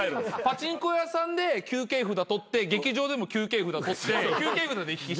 パチンコ屋さんで休憩札取って劇場でも休憩札取って休憩札で行き来。